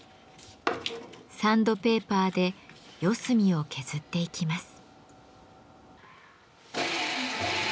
サンドペーパーで四隅を削っていきます。